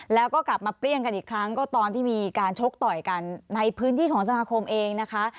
แล้วก็กลับมาเปรี้ยงกันอีกครั้งก็ตอนที่มีการชกต่อยกันในพื้นที่ของสมาคมเองนะคะ